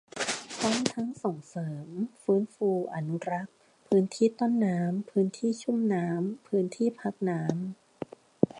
พร้อมทั้งส่งเสริม ฟื้นฟู อนุรักษ์ พื้นที่ต้นน้ำ พื้นที่ชุ่มน้ำ พื้นที่พักน้ำ